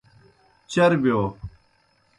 چربِیو۔